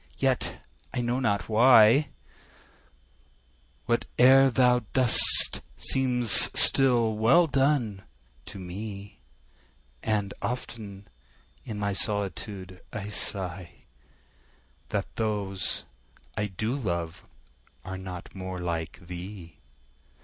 —yet, I know not why, 5 Whate'er thou dost seems still well done, to me: And often in my solitude I sigh That those I do love are not more like thee!